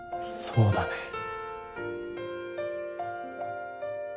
そうだね。